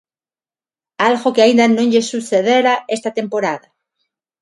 Algo que aínda non lles sucedera esta temporada.